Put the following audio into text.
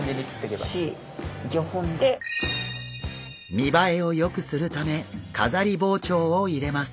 見ばえをよくするため飾り包丁を入れます。